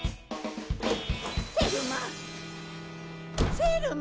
セルマ！